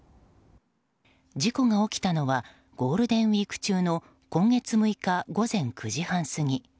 事故が起きたのはゴールデンウィーク中の今月６日午前９時半過ぎ。